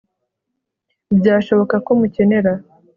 byashoboka ko mukenera